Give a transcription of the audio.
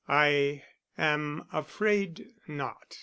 "I am afraid not.